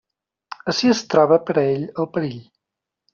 Ací es troba per a ell el perill.